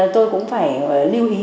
tôi cũng phải lưu ý